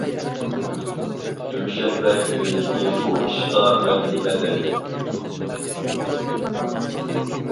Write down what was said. دۈشەنبە كۈنىدىكى بۇ ئىشقا مەن نېمە دەي؟ !